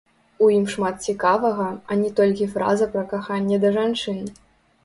У ім шмат цікавага, а не толькі фраза пра каханне да жанчын.